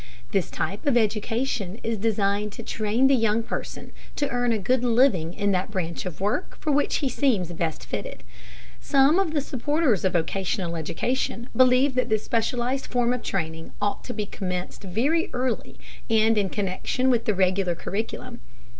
This type of education is designed to train the young person to earn a good living in that branch of work for which he seems best fitted. Some of the supporters of vocational education believe that this specialized form of training ought to be commenced very early and in connection with the regular curriculum.